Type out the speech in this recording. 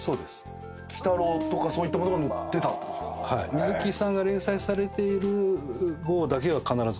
水木さんが連載されている号だけは必ず買うので。